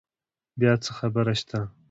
بیا څه خبره شته؟